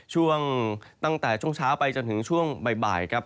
ช่วงตั้งแต่ช่วงเช้าไปจนถึงช่วงบ่ายครับ